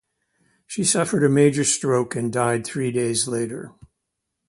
She suffered a major stroke and died three days later.